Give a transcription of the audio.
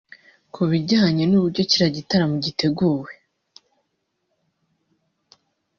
Ku bijyanye n’uburyo kiriya gitaramo giteguye